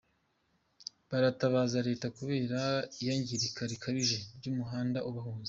Baratabaza Leta kubera iyangirika rikabije ryumuhanda ubahuza.